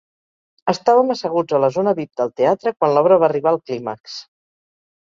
Estàvem asseguts a la zona VIP del teatre quan l'obra va arribar al clímax.